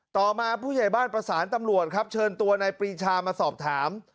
ต่อมาผู้ใหญ่บ้านประสานตำรวจครับเชิญตัวนายปรีชามาสอบถาม